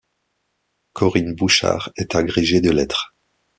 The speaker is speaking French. Corinne Bouchard est agrégée de lettres.